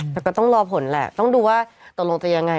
แต่ก็ต้องรอผลแหละต้องดูว่าตกลงจะยังไง